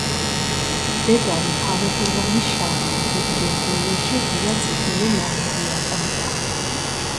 დედალი ხავერდოვანი შავია, ზოგჯერ ბოლოში ღია წითელი ლაქები აყრია.